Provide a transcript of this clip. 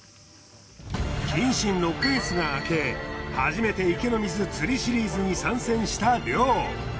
謹慎６か月が明け初めて「池の水」釣りシリーズに参戦した亮。